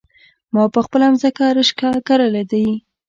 ما په خپله ځمکه رشکه کرلي دي